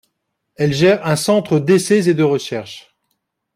Elle gère une centre d'essais et de recherche.